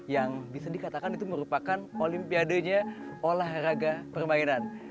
yang bisa dikatakan itu merupakan olimpiadenya olahraga permainan